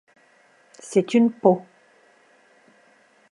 C’est une peau.